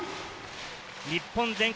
日本全国